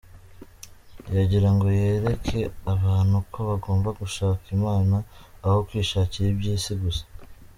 Yagirango yereke abantu ko bagomba gushaka imana, aho kwishakira ibyisi gusa.